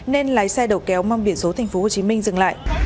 nên lái xe đầu kéo mong biển số tp hcm dừng lại